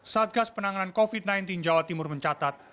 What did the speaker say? satgas penanganan covid sembilan belas jawa timur mencatat